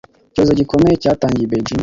Icyorezo gikomeye cyatangiye i Beijing.